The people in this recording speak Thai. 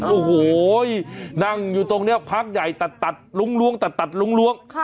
โอ้โหนั่งอยู่ตรงเนี่ยพักใหญ่ตัดตัดลุ้งล้วงตัดตัดลุ้งล้วง